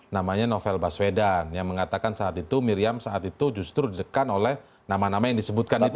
namanya novel baswedan yang mengatakan saat itu miriam saat itu justru ditekan oleh nama nama yang disebutkan itu